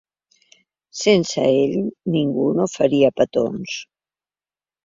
Sense ell ningú no faria petons.